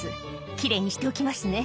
「奇麗にしておきますね」